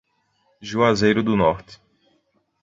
Juazeiro do Norte